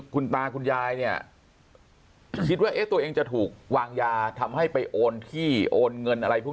คุณตาคุณยายเนี่ยคิดว่าเอ๊ะตัวเองจะถูกวางยาทำให้ไปโอนที่โอนเงินอะไรพวก